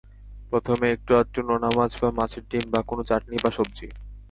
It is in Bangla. প্রথমে একটু আধটু নোনা মাছ বা মাছের ডিম, বা কোন চাটনি বা সবজি।